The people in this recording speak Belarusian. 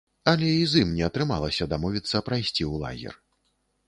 Але і з ім не атрымалася дамовіцца прайсці ў лагер.